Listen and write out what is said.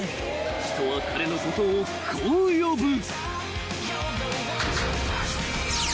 ［人は彼のことをこう呼ぶ］